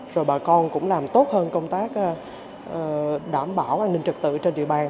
rồi bà con cũng làm tốt hơn công tác đảm bảo an ninh trật tự trên địa bàn